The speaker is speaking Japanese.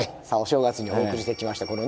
さあお正月にお送りしてきました